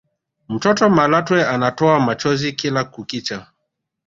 mtoto malatwe anatoa machozi kila kukicha